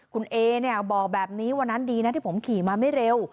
คุณเอเนี่ยบอกแบบนี้วันนั้นดีนะที่ผมขี่มาไม่เร็ว